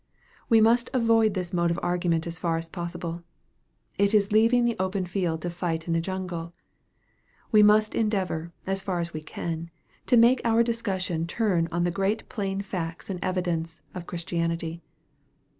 We must avoid this mode of argument as far as possible. It is leaving the open field to fight in a jungle. We must endeavor, as far as we can, to make our discussion turn on the great plain facts and evidences of Christianity.